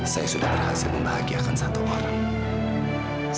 saya sudah berhasil membahagiakan satu orang